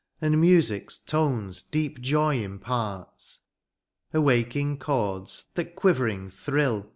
And music^s tones deep joy impart — Awaking chords that quivering thrill.